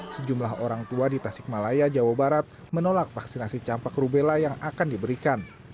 sejumlah orang tua di tasikmalaya jawa barat menolak vaksinasi campak rubella yang akan diberikan